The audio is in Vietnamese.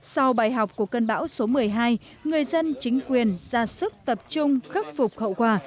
sau bài học của cơn bão số một mươi hai người dân chính quyền ra sức tập trung khắc phục hậu quả